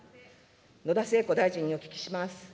野田聖子大臣にお聞きします。